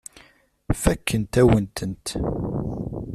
Fakkent-awen-tent.